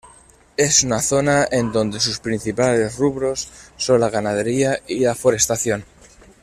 Es una zona en donde sus principales rubros son la ganadería y la forestación.